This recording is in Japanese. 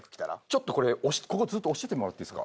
ちょっとこれここずっと押しててもらっていいですか？